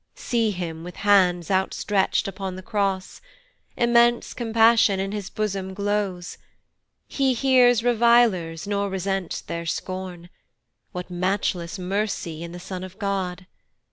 See him with hands out stretcht upon the cross; Immense compassion in his bosom glows; He hears revilers, nor resents their scorn: What matchless mercy in the Son of God!